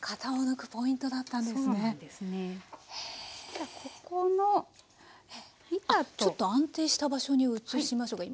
じゃここの板と。ちょっと安定した場所に移しましょうか。